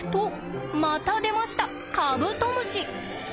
また出ましたカブトムシ！